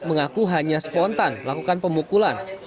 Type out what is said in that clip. mengaku hanya spontan melakukan pemukulan